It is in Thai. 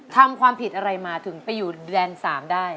ทำความผิดอะไรมาถึงไปอยู่แดน๓ได้